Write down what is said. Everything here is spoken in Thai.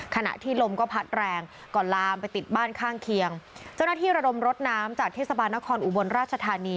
ขณะที่ลมก็พัดแรงก่อนลามไปติดบ้านข้างเคียงเจ้าหน้าที่ระดมรถน้ำจากเทศบาลนครอุบลราชธานี